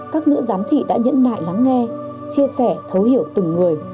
các nữ giám thị đã nhẫn nại lắng nghe chia sẻ thấu hiểu từng người